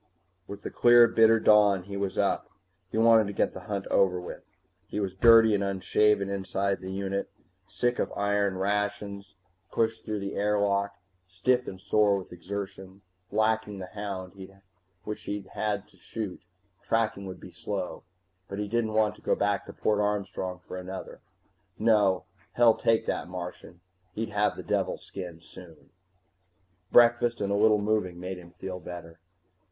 With the clear bitter dawn he was up. He wanted to get the hunt over with. He was dirty and unshaven inside the unit, sick of iron rations pushed through the airlock, stiff and sore with exertion. Lacking the hound, which he'd had to shoot, tracking would be slow, but he didn't want to go back to Port Armstrong for another. No, hell take that Martian, he'd have the devil's skin soon! Breakfast and a little moving made him feel better.